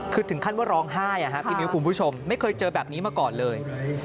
คือถึงขั้นว่าร้องไห้พี่มิ้วคุณผู้ชมไม่เคยเจอแบบนี้มาก่อนเลย